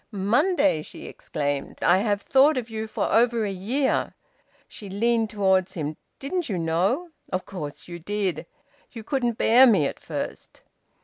"Monday!" she exclaimed. "I have thought of you for over a year." She leaned towards him. "Didn't you know? Of course you did! ... You couldn't bear me at first."